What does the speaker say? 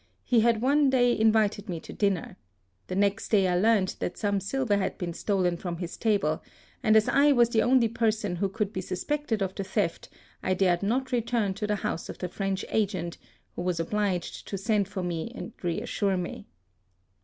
He had one day invited me to dinner. The next day I learnt that some silver had been stolen from his table, and as I was the only person who could be suspected of the theft, I dared not return to the house of the French agent, who was obliged to send for me and reassure me."